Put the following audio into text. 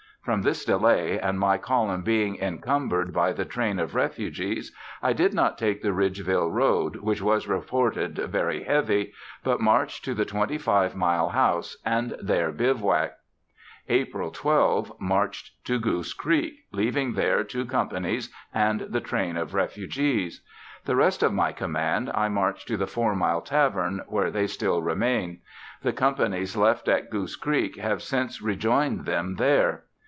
From this delay, and my column being encumbered by the train of refugees, I did not take the Ridgeville Road, which was reported very heavy, but marched to the Twenty Five Mile House, and there bivouacked. April 12, marched to Goose Creek, leaving there two companies and the train of refugees. The rest of my command I marched to the Four Mile Tavern, where they still remain. The companies left at Goose Creek have since rejoined them there.